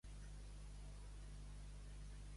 A Senterada, paelletes.